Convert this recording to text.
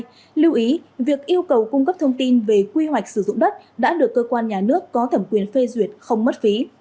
tuy nhiên lưu ý việc yêu cầu cung cấp thông tin về quy hoạch sử dụng đất đã được cơ quan nhà nước có thẩm quyền phê duyệt không mất phí